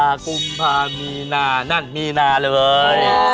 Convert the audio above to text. กุมภามีนานั่นมีนาเลย